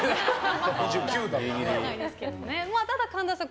ただ、神田さん